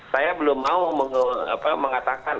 saya belum mau mengatakan